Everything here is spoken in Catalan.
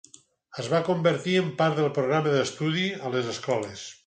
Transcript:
Es va convertir en part del programa d'estudi a les escoles.